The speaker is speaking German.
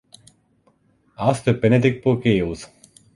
Ass für Benedict Bogeaus.